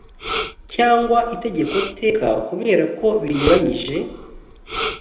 cyangwa itegeko teka kubera ko binyuranyije